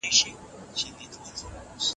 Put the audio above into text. هغه روبوټ چې په ځمکه کې دی په هوښیارۍ حرکت کوي.